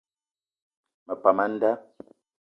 Me pam a nda.